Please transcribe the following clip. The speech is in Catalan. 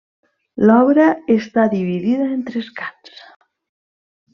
L'obra està dividida en tres cants.